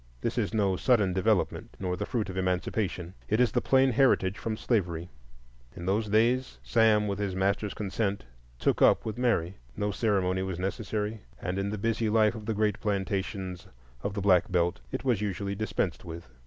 This is no sudden development, nor the fruit of Emancipation. It is the plain heritage from slavery. In those days Sam, with his master's consent, "took up" with Mary. No ceremony was necessary, and in the busy life of the great plantations of the Black Belt it was usually dispensed with.